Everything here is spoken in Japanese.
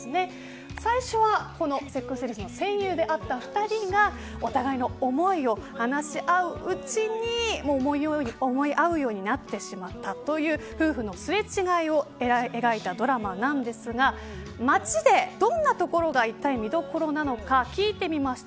最初はセックスレスの戦友であった２人がお互いの思いを話し合ううちに、思い合うようになってしまったという夫婦のすれ違いを描いたドラマなんですが街で、どんなところが見どころなのか聞いてみました。